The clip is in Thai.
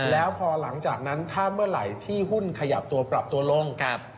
แล้วพอหลังจากนั้นถ้าเมื่อไหร่ที่หุ้นขยับตัวปรับตัวลง